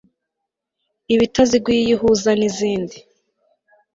iba itaziguye iyo ihuza n izindi